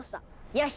よし！